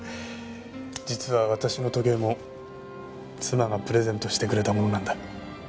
実は私の時計も妻がプレゼントしてくれたものなんだ。